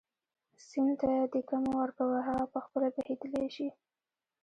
سیند ته دیکه مه ورکوه هغه په خپله بهېدلی شي.